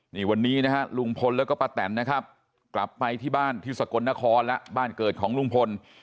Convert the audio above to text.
นี่วันนี้นะฮะลุงพลแล้วก็ป้าแตนนะครับกลับไปที่บ้านที่สกลนครแล้วบ้านเกิดของลุงพล